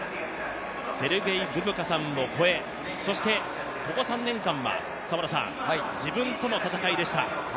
セルゲイ・ブブカさんを超えそして、ここ３年間は自分との戦いでした。